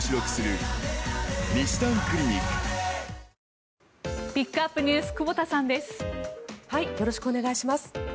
よろしくお願いします。